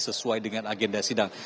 sesuai dengan agenda sidang